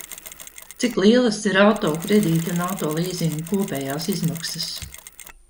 Cik lielas ir auto kredīta un auto līzinga kopējās izmaksas?